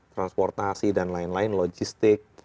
transportasi dan lain lain logistik